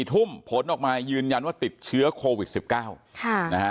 ทุ่มผลออกมายืนยันว่าติดเชื้อโควิด๑๙ค่ะนะฮะ